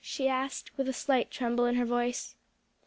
she asked, with a slight tremble in her voice.